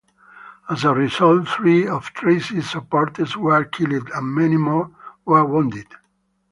As a result, three of Tracey's supporters were killed and many more were wounded.